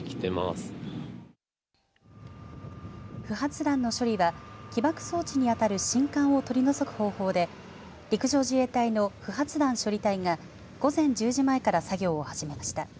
不発弾の処理は起爆装置にあたる信管を取り除く方法で陸上自衛隊の不発弾処理隊が午前１０時前から作業を始めました。